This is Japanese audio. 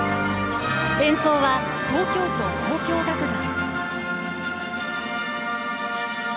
演奏は東京都交響楽団。